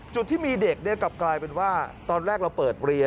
จุดที่มีเด็กกลับกลายเป็นว่าตอนแรกเราเปิดเรียน